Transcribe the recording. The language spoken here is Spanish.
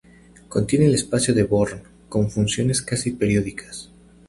Contiene el espacio de Bohr con funciones casi periódicas.